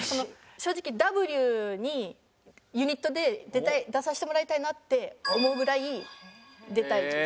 正直Ｗにユニットで出たい出させてもらいたいなって思うぐらい出たいです。